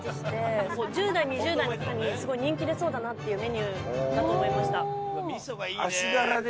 １０代２０代の方に人気出そうだなっていうメニューだと思いました。